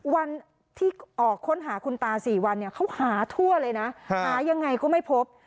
วันที่ออกค้นหาคุณตา๔วันเนี่ยเขาหาทั่วเลยนะหายังไงก็ไม่พบ